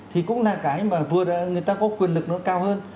thì cũng là cái mà người ta có quyền lực nó cao hơn